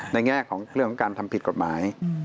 แง่ของเรื่องของการทำผิดกฎหมาย